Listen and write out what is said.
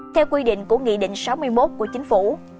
theo quy định của nghị định sáu mươi một của chính phủ